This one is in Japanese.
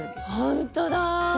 ほんとだ！